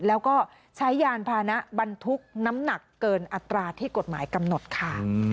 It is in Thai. แล้วก็ใช้ยานพานะบรรทุกน้ำหนักเกินอัตราที่กฎหมายกำหนดค่ะ